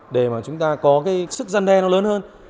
để mà chúng ta có cái sức gian đe nó lớn hơn